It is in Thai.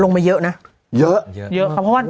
ลงมาเยอะนะเยอะ